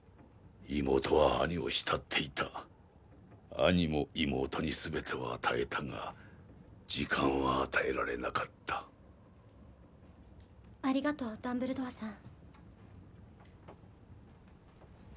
妹は兄を慕っていた兄も妹に全てを与えたが時間は与えられなかったありがとうダンブルドアさん